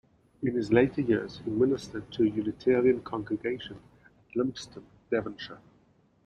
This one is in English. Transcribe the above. In his later years he ministered to a Unitarian congregation at Lympston, Devonshire.